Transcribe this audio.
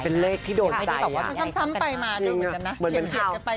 เป็นเลขที่โดนใจ